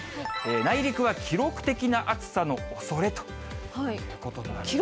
内陸は記録的な暑さのおそれということになりますね。